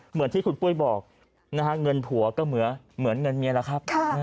เหมือนที่คุณปุ้ยบอกนะฮะเงินผัวก็เหมือนเงินเมียแล้วครับ